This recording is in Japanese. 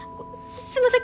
すいません！